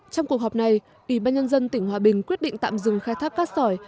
trong cuộc họp này ủy ban nhân dân tỉnh hòa bình quyết định tạm dừng khai thác cát sỏi